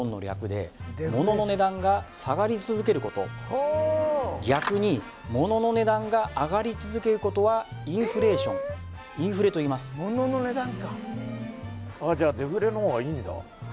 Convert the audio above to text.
まずデフレとは逆にモノの値段が上がり続けることはインフレーションインフレといいますああじゃあデフレの方がいいんだ